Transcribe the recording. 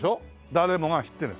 誰もが知ってる。